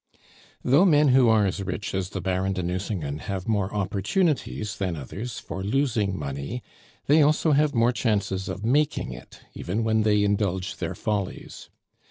Though men who are as rich as the Baron de Nucingen have more opportunities than others for losing money, they also have more chances of making it, even when they indulge their follies.